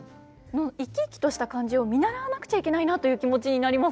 生き生きとした感じを見習わなくちゃいけないなという気持ちになります